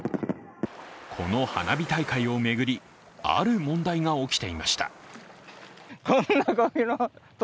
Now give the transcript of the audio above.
この花火大会を巡り、ある問題が起きていました。